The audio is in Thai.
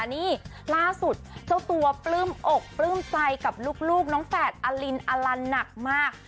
นี่ล่าสุดเจ้าตัวปลื้มอกปลื้มใจกับลูกน้องแฝดอลินอลันหนักมาก